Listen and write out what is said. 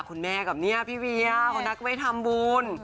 คุณแม่กับพี่เวียคนักไว้ทำบุญ